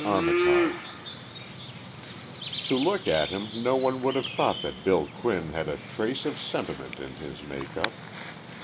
ARMITAGE To look at him no one would have thought that Bill Quinn had a trace of sentiment in his make up.